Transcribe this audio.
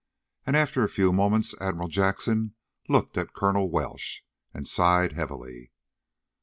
And after a few moments Admiral Jackson looked at Colonel Welsh, and sighed heavily.